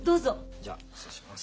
じゃあ失礼します。